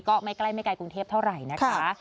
ก็ไม่ใกล้ไม่ไกลกรุงเทพเท่าไหร่นะคะ